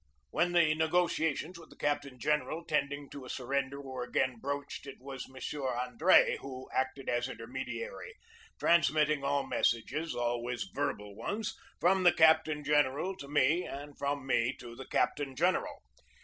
When the negotiations with the captain general tending to a surrender were again broached it was M. Andre who acted as intermediary, transmitting all messages (al ways verbal ones) from the captain general to me and from me to the captain general.